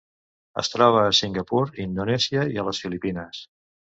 Es troba a Singapur, Indonèsia i a les Filipines.